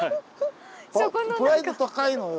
プライド高いのよ。